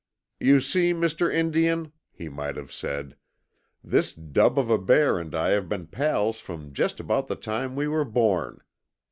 "You see, Mr. Indian" he might have said "this dub of a bear and I have been pals from just about the time we were born.